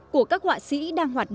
của các họa sĩ đang hoạt động